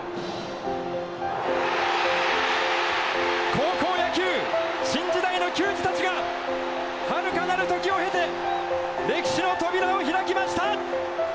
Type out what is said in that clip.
高校野球新時代の球児たちが遥かなる時を経て歴史の扉を開きました！